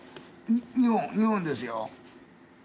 日本日本ですよ。